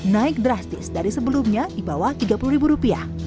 naik drastis dari sebelumnya di bawah rp tiga puluh ribu rupiah